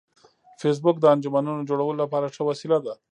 فېسبوک د انجمنونو جوړولو لپاره ښه وسیله ده